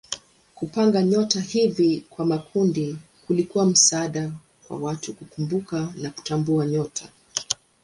Kupanga nyota hivi kwa makundi kulikuwa msaada kwa watu kukumbuka na kutambua nyota.